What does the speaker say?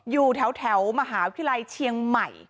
อยู่แถวมหาวิทยาลัยเชียงใหม่